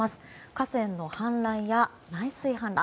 河川の氾濫や内水氾濫。